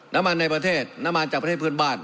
น้ำมันในประเทศน้ำมันจากประเทศเพื่อนบ้าน